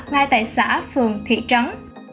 ngay tại xã phường thị trấn